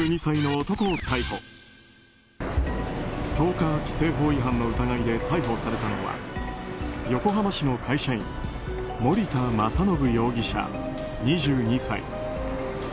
ストーカー規制法違反の疑いで逮捕されたのは横浜市の会社員森田正信容疑者、２２歳。